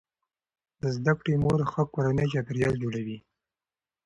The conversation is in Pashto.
د زده کړې مور ښه کورنی چاپیریال جوړوي.